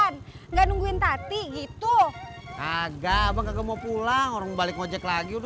coy ada yang mau beli bubur